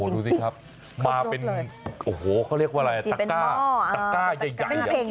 ดูสิครับมาเป็นโอ้โหเขาเรียกว่าอะไรตะก้าตะก้าใหญ่